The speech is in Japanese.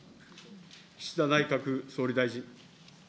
岸田内閣総理大臣。